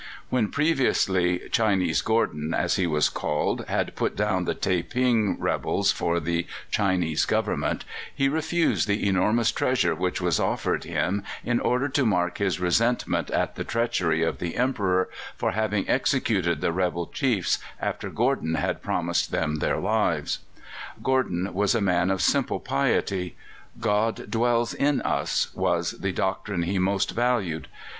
When previously "Chinese Gordon," as he was called, had put down the Taiping rebels for the Chinese Government, he refused the enormous treasure which was offered him, in order to mark his resentment at the treachery of the Emperor for having executed the rebel chiefs after Gordon had promised them their lives. Gordon was a man of simple piety. "God dwells in us" this was the doctrine he most valued.